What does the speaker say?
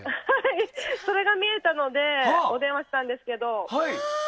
それが見えたのでお電話したんですけど。